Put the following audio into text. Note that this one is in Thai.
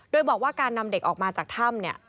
โดยบอกว่าการนำเด็กออกมาจากถ้ำเนี่ย